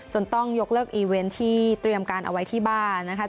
ต้องยกเลิกอีเวนต์ที่เตรียมการเอาไว้ที่บ้านนะคะ